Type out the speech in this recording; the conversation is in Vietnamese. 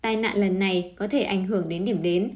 không thể ảnh hưởng đến điểm đến